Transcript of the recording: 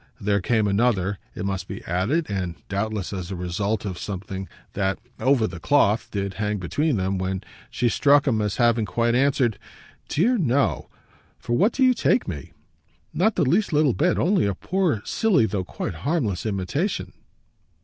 There came another, it must be added and doubtless as a result of something that, over the cloth, did hang between them when she struck him as having quite answered: "Dear no for what do you take me? Not the least little bit: only a poor silly, though quite harmless, imitation."